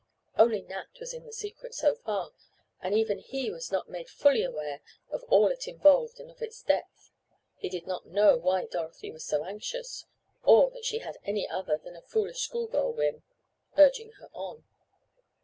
Only Nat was in the secret so far, and even he was not made fully aware of all it involved and of its depth—he did not know why Dorothy was so anxious—or that she had any other than a foolish schoolgirl whim urging her on.